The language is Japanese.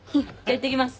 いってきます！